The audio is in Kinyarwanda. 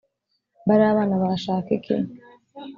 Bariya bana barashaka iki